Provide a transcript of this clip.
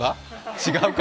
違うか。